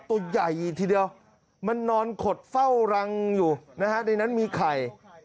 ตัวใหญ่ทีเดียวมันนอนขดเฝ้ารังอยู่นะฮะในนั้นมีไข่